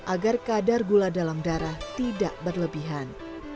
agar kadar gula dalam darah tidak berlebihan